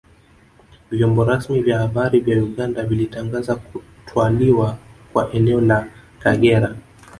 Vyombo rasmi vya habari vya Uganda vilitangaza kutwaliwa kwa eneo la Kagera